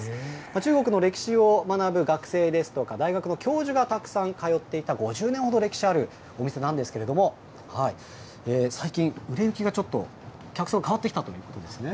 中国の歴史を学ぶ学生ですとか、大学の教授がたくさん通っていた５０年ほど歴史あるお店なんですけれども、最近、売れ行きがちょっと、客層変わってきたということですね。